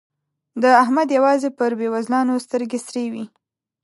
د احمد يوازې پر بېوزلانو سترګې سرې وي.